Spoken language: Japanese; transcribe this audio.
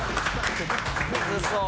むずそう。